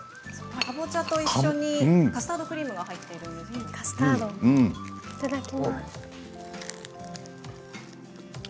かぼちゃと一緒にカスタードクリームがカスタードいただきます。